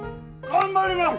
頑張ります！